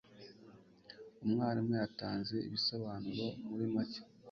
Umwarimu yatanze ibisobanuro muri make.